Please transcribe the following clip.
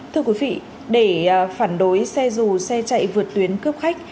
thưa quý vị để phản đối xe dù xe chạy vượt tuyến cướp khách